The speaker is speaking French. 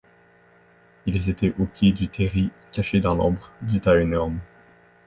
Ils étaient au pied du terri, cachés dans l’ombre du tas énorme.